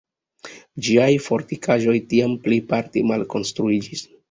Ĝiaj fortikaĵoj tiam plejparte malkonstruiĝis.